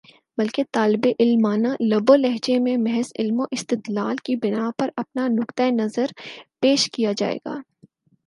بلکہ طالبِ علمانہ لب و لہجے میں محض علم و استدلال کی بنا پر اپنا نقطۂ نظر پیش کیا جائے گا